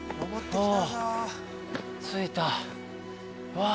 うわ